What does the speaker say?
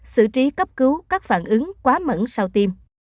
xử trí cấp cứu các phản ứng quá mẩn sau tiêm